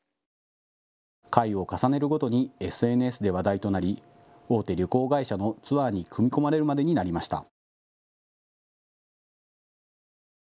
回を重ねるごとにＳＮＳで話題となり大手旅行会社のツアーに組み込まれるまでになりました。